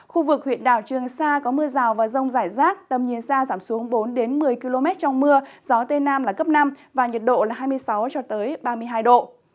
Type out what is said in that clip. khu vực huyện đảo trường sa có mưa rào và rông rải rác tầm nhìn xa giảm xuống bốn một mươi km trong mưa gió tây nam là cấp năm và nhiệt độ là hai mươi sáu ba mươi hai độ